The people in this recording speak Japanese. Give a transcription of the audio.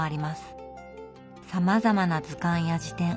さまざまな図鑑や事典。